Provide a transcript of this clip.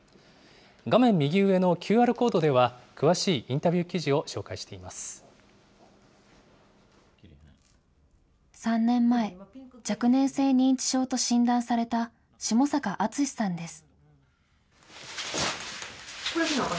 画面右上のＱＲコードでは、詳しいインタビュー記事を紹介してい３年前、若年性認知症と診断された、下坂厚さんです。